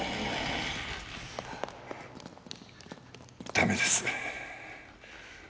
駄目です。